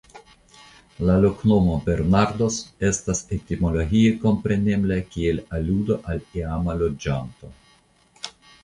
La loknomo "Bernardos" estas etimologie komprenebla kiel aludo al iama loĝanto.